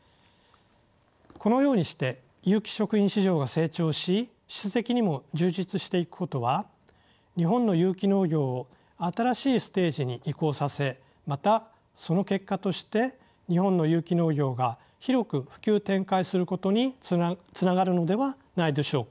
このようにして有機食品市場が成長し質的にも充実していくことは日本の有機農業を新しいステージに移行させまたその結果として日本の有機農業が広く普及展開することにつながるのではないでしょうか。